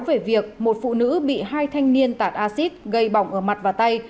về việc một phụ nữ bị hai thanh niên tạt acid gây bỏng ở mặt và tay